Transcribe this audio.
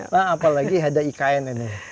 pak apalagi ada ikn ini